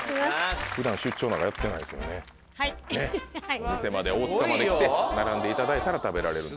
お店まで大塚まで来て並んでいただいたら食べられる。